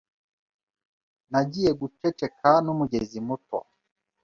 Nagiye guceceka n'umugezi muto